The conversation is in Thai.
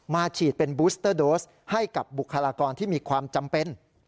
ฉีดเป็นบูสเตอร์โดสให้กับบุคลากรที่มีความจำเป็น